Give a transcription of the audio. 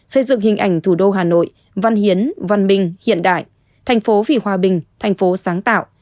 xây dựng hình ảnh thủ đô hà nội văn hiến văn minh hiện đại thành phố vì hòa bình thành phố sáng tạo